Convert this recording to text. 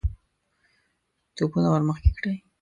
توپونه ور مخکې کړئ!